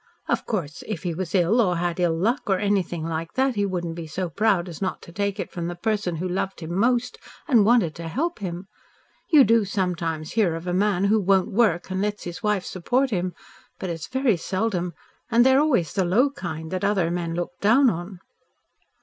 Of course if he was ill or had ill luck or anything like that, he wouldn't be so proud as not to take it from the person who loved him most and wanted to help him. You do sometimes hear of a man who won't work and lets his wife support him, but it's very seldom, and they are always the low kind that other men look down on."